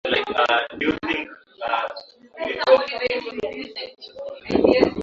Aliamua kuboresha maisha yake